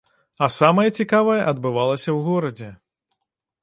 А самае цікавае адбывалася ў горадзе.